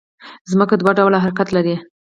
ځمکه دوه ډوله حرکت لري